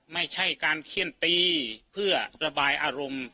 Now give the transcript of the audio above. ไม่ใช่การเขี้ยนตีเพื่อระบายอารมณ์